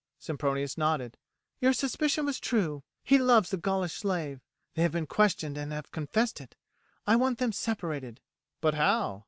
Sempronius nodded. "Your suspicion was true, he loves the Gaulish slave; they have been questioned and have confessed it. I want them separated." "But how?"